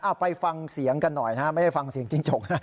ไปฟังเสียงกันหน่อยนะฮะไม่ได้ฟังเสียงจิ้งจกนะ